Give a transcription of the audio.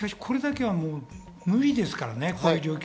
しかしこれだけは無理ですからね。